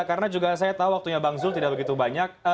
karena juga saya tahu waktunya bang zul tidak begitu banyak